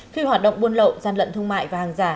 khi hoạt động buôn lậu gian lận thương mại và hàng giả